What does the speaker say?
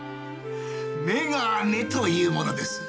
眼鏡というものです。